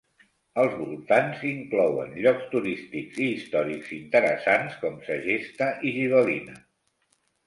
Els voltants inclouen llocs turístics i històrics interessants, com Segesta i Gibellina.